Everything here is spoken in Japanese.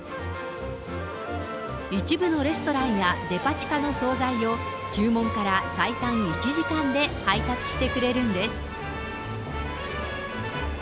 一部のレストランやデパ地下の総菜を、注文から最短１時間で配達してくれるんです。